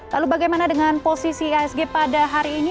lalu bagaimana dengan posisi asg pada hari ini